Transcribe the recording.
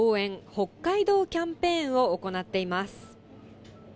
北海道キャンペーンを行っています。